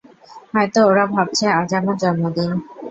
হয়তো ওরা ভাবছে আজ আমার জন্মদিন?